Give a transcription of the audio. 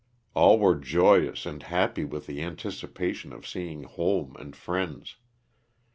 All were joyous and happy with the anticipation of seeing home and friends.